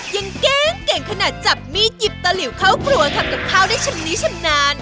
ยังเก่งขนาดจับมีดหยิบตะหลิวเข้าครัวทำกับข้าวได้ชำนี้ชำนาญ